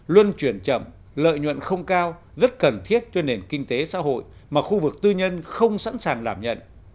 luân chuyển chậm lợi nhuận không cao rất cần thiết cho nền kinh tế xã hội mà khu vực tư nhân không sẵn sàng làm nhận